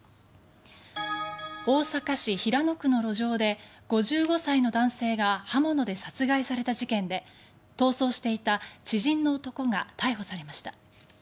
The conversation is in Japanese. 大阪市平野区の路上で５５歳の男性が刃物で殺害された事件で逃走していた知人の男が逮捕されました。